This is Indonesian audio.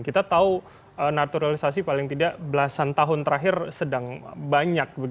kita tahu naturalisasi paling tidak belasan tahun terakhir sedang banyak